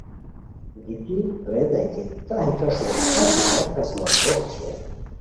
گیتی ریتائے کی تو ہے کَݰو اچی ہیہ قسمہ بوخت شیر